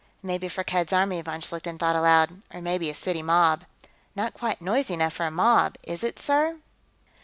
"Maybe Firkked's army," von Schlichten thought aloud. "Or maybe a city mob." "Not quite noisy enough for a mob, is it, sir?"